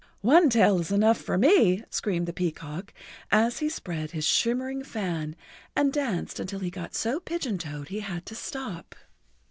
"One tail is enough for me," screamed the peacock, as he spread his shimmering fan and danced until he got so pigeon toed he had to stop.